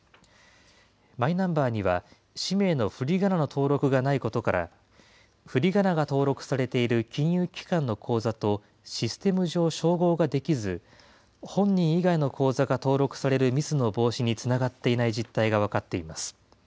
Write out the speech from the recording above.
マイナンバーには、氏名のふりがなの登録がないことから、ふりがなが登録されている金融機関の口座とシステム上照合ができず、本人以外の口座が登録されるミスの防止につながっていない実態が分かっています。